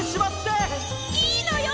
いいのよ！